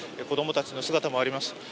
子供たちの姿もあります。